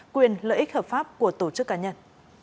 quyền lợi ích hợp pháp của tổ chức cá nhân